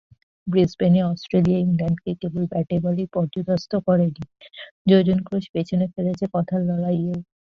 ব্রিসবেনে Australia ইংল্যান্ডকে কেবল ব্যাটে-বলেই পর্যুদস্ত করেনি যোজন-ক্রোশ পেছনে ফেলেছে কথার লড়াইয়েইও।